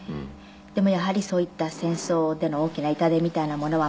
でもやはりそういった戦争での大きな痛手みたいなものは。